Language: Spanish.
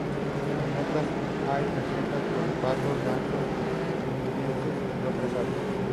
En otras, hay recetas con patos, gansos canadienses y otras aves.